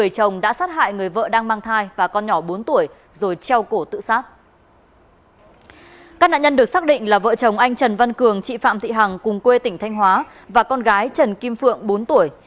các nạn nhân được xác định là vợ chồng anh trần văn cường chị phạm thị hằng cùng quê tỉnh thanh hóa và con gái trần kim phượng bốn tuổi